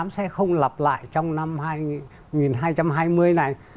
sẽ không lặp lại trong năm hai nghìn hai mươi này